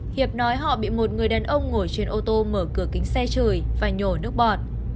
hiệp nói họ bị một người đàn ông ngồi trên ô tô mở cửa kính xe trời và nhổ nước bọt